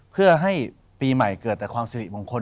เพื่อให้ปีใหม่เกิดแต่ความสิริมงคล